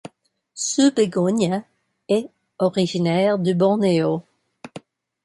Ce bégonia est originaire du Bornéo.